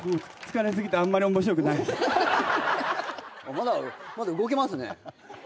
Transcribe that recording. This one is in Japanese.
まだ動けますね。